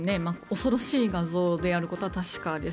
恐ろしい画像であることは確かです。